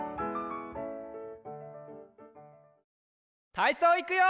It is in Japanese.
たいそういくよ！